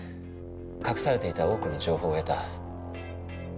隠されていた多くの情報を得た。